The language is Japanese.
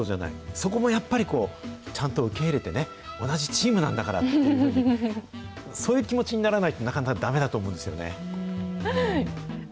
そこもやっぱりこう、ちゃんと受け入れてね、同じチームなんだからっていうふうに、そういう気持ちにならないと、なかなかだめだと思うんですよね。